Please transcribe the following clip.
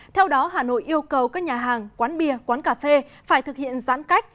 theo đó hà nội yêu cầu các nhà hàng quán bia quán cà phê phải thực hiện giãn cách